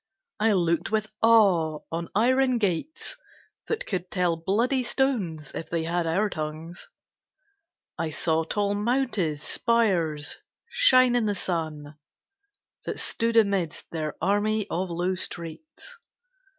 I looked with awe on iron gates that could Tell bloody stones if they had our tongues. I saw tall mounted spires shine in the sun, That stood amidst their army of low streets.